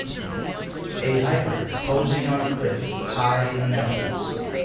A hiker posing on a cliff high in the mountains.